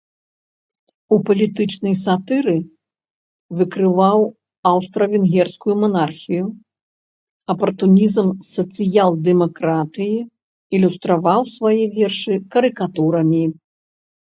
У палітычнай сатыры выкрываў аўстра-венгерскую манархію, апартунізм сацыял-дэмакратыі, ілюстраваў свае вершы карыкатурамі.